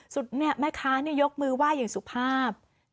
สุดนี่แม่ค้านี่ยกมือไหว้อย่างสุภาพ